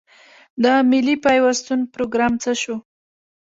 د ملي پیوستون پروګرام څه شو؟